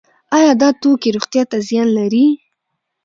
آیا دا توکي روغتیا ته زیان لري؟